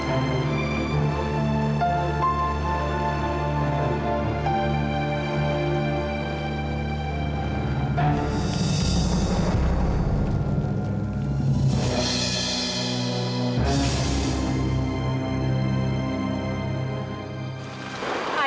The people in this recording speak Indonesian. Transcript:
aku turut berdua cinta ya zahra